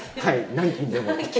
何斤でも？